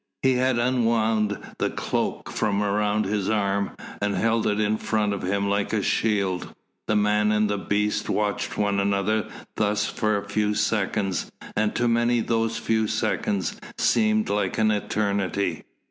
He had unwound the cloak from round his arm and held it in front of him like a shield. The man and the beast watched one another thus for a few seconds, and to many those few seconds seemed like an eternity.